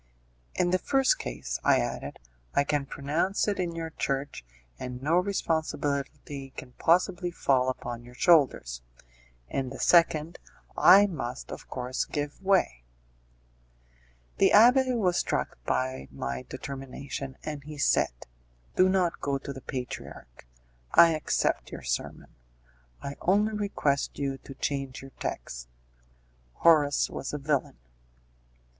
"In the first case," I added, "I can pronounce it in your church, and no responsibility can possibly fall upon your shoulders; in the second, I must, of course, give way." The abbé was struck by my determination and he said, "Do not go to the patriarch; I accept your sermon; I only request you to change your text. Horace was a villain."